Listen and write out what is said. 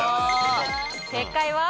正解は。